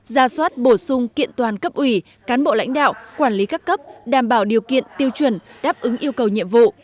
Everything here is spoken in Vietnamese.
ra soát bổ sung kiện toàn cấp ủy cán bộ lãnh đạo quản lý các cấp đảm bảo điều kiện tiêu chuẩn đáp ứng yêu cầu nhiệm vụ